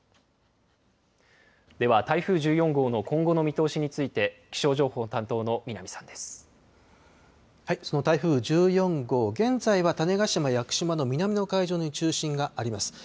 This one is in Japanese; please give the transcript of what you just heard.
では台風１４号の今後の見通しについて、その台風１４号、現在は種子島・屋久島の南の海上に中心があります。